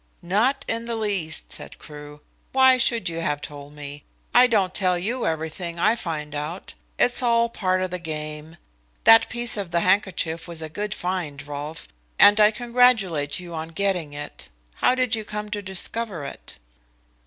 "Not in the least," said Crewe. "Why should you have told me? I don't tell you everything that I find out. It's all part of the game. That piece of the handkerchief was a good find, Rolfe, and I congratulate you on getting it. How did you come to discover it?"